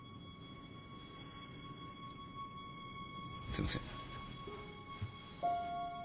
すいません。